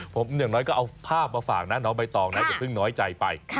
ผมอย่างน้อยก็เอาภาพมาฝากนะน้องใบตองนะอย่าเพิ่งน้อยใจไป